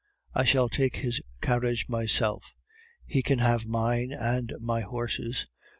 "I shall take his carriage myself. He can have mine and my horses.